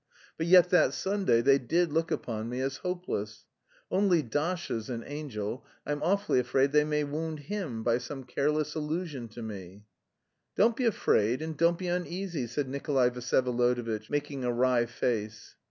But yet that Sunday they did look upon me as hopeless. Only Dasha's an angel. I'm awfully afraid they may wound him by some careless allusion to me." "Don't be afraid, and don't be uneasy," said Nikolay Vsyevolodovitch, making a wry face.